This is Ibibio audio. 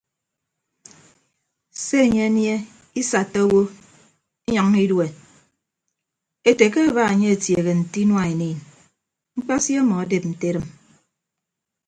Se enye anie isatta awo inyʌññọ idue ete ke aba enye atieehe nte inua eniin mkpasi ọmọ adep nte edịm.